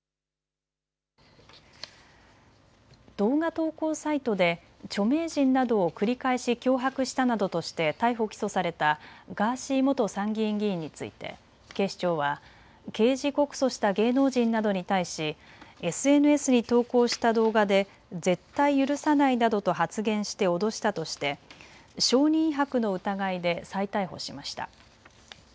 動画投稿サイトで著名人などを繰り返し脅迫したなどとして逮捕・起訴されたガーシー元参議院議員について警視庁は刑事告訴した芸能人などに対しＳＮＳに投稿した動画で絶対許さないなどと発言して脅したとして証人威迫の疑いで再逮捕しました。